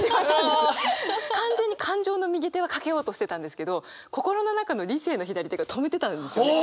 完全に感情の右手はかけようとしてたんですけど心の中の理性の左手が止めてたんですよね。